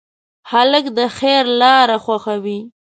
هلک د خیر لاره خوښوي.